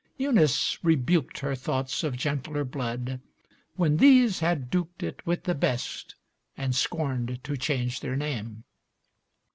Eunice rebuked Her thoughts of gentler blood, when these had duked It with the best, and scorned to change their name.